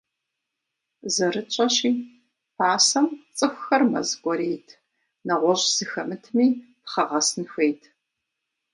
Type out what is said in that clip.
Зэрытщӏэщи, пасэм цӏыхухэр мэз кӏуэрейт, нэгъуэщӏ зы хэмытми, пхъэгъэсын хуейт.